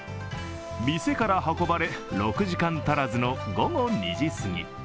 店から運ばれ６時間足らずの午後２時すぎ。